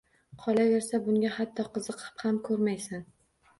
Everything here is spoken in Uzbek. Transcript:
Qolaversa, bunga hatto qiziqib ham ko’rmaysan